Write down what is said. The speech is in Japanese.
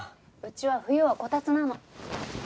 うちは冬はこたつなの。